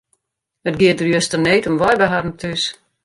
It gie der juster need om wei by harren thús.